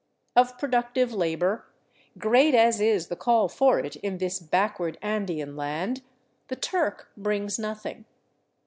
Of productive labor, great as is the call for it in this backward Andean land, the " Turk " brings nothing.